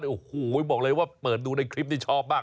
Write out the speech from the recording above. โอ้โหบอกเลยว่าเปิดดูในคลิปนี้ชอบมาก